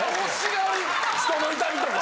人の痛みとか。